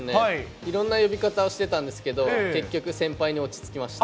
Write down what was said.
いろんな呼び方してたんですけど、結局、先輩に落ち着きました。